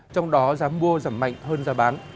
trong đó giá mua giảm mạnh hơn giá bán